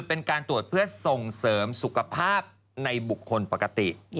เป็นการตรวจเพื่อส่งเสริมสุขภาพในบุคคลปกติ